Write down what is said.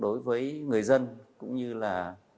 đối với người dân cũng như là